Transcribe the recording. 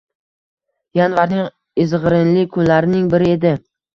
Yanvarning izg‘irinli kunlarining biri edi